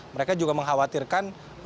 mereka juga mengkhawatirkan